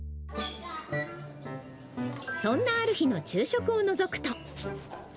そんなある日の昼食をのぞくと。